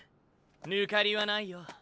抜かりはないよ。